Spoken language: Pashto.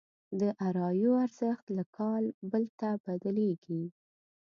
داراییو ارزښت له کال بل ته بدلېږي.